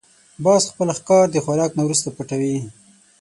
باز خپل ښکار د خوراک نه وروسته پټوي